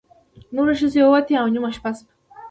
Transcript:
نورې ښځې ووتې او نیمه شپه شوه.